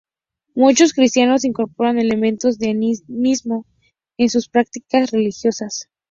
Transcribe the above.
Muchos cristianos incorporan elementos de animismo en sus prácticas religiosas.